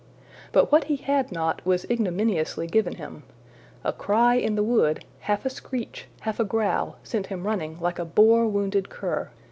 But what he had not was ignominiously given him. A cry in the wood, half a screech, half a growl, sent him running like a boar wounded cur.